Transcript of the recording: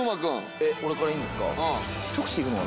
えっ俺からいいんですか？